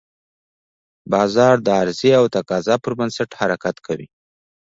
بازار د عرضې او تقاضا پر بنسټ حرکت کوي.